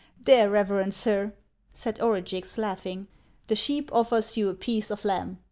" There, reverend sir," said Orugix, laughing ;" the sheep offers you a piece of lamb.